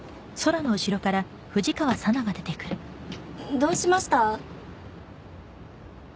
どうしました？